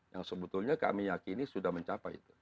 yang sebetulnya kami yakini sudah mencapai itu